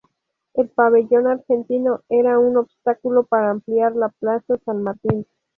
El Pabellón Argentino era un obstáculo para ampliar la Plaza San Martín.